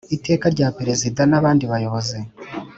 Iteka rya Perezida n abandi bayobozi